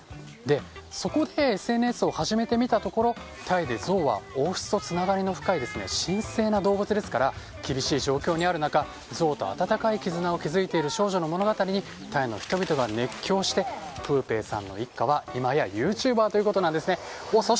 そこでＳＮＳを始めてみたところタイでゾウは王室とつながりが深い神聖な動物ですから厳しい状況にある中ゾウと温かい絆を築いている少女の物語にタイの人々が熱狂してプーペーさんの一家は今やユーチューバーということです。